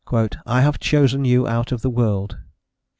"I have chosen you out of the world."